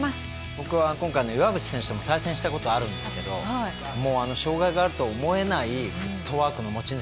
僕は今回の岩渕選手とも対戦したことあるんですけど障害があると思えないフットワークの持ち主で。